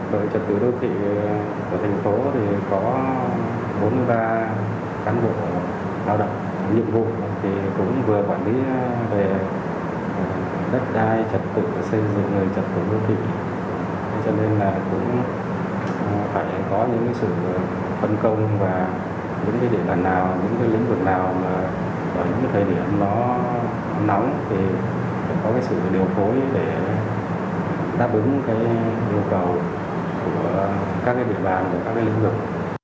có cái sự điều phối để đáp ứng cái nhu cầu của các cái địa bàn các cái lĩnh vực